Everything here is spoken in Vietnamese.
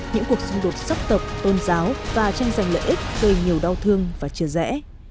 những cuộc xung đột sắp tập tôn giáo và tranh giành lợi ích gây nhiều đau thương và chưa rẽ